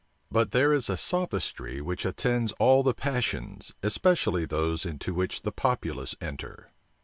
But there is a sophistry which attends all the passions, especially those into which the populace enter.